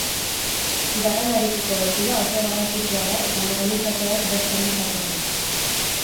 Iraganarekiko lotura oso garrantzitsua da eta moralitateak bertan du jatorria.